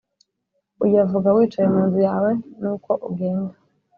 uyavuga wicaye mu nzu yawe n uko ugenda